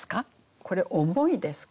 これ重いですか？